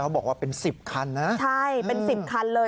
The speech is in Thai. บอกว่าเป็น๑๐คันนะใช่เป็น๑๐คันเลย